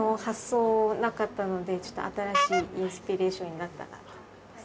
ちょっと新しいインスピレーションになったなと思います。